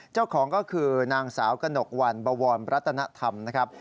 เจ้าของก็คือนางสาวกระหนกวันบวรรัตนธรรมนะครับ